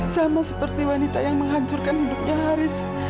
sama seperti wanita yang menghancurkan hidupnya haris